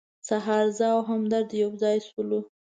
سهار زه او همدرد یو ځای شولو.